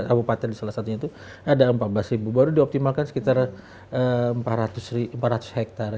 yang keempat dari salah satunya itu ada empat belas baru dioptimalkan sekitar empat ratus hektare